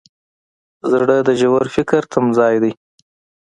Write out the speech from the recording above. زړه د ژور فکر تمځای دی.